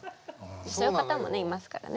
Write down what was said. そういう方もねいますからね。